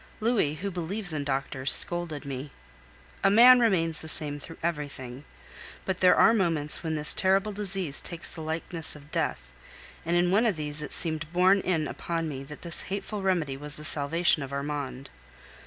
Louis, who believes in doctors, scolded me. A man remains the same through everything. But there are moments when this terrible disease takes the likeness of death, and in one of these it seemed borne in upon me that this hateful remedy was the salvation of Armand.